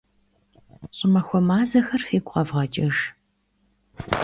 ЩӀымахуэ мазэхэр фигу къэвгъэкӀыж.